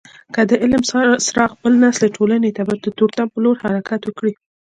که د علم څراغ بل نسي ټولنه به د تورتم په لور حرکت وکړي.